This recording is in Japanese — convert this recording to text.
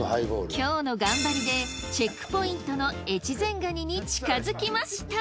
今日の頑張りでチェックポイントの越前がにに近づきました。